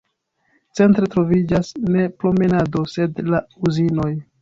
Centre troviĝas ne promenado sed la uzinoj.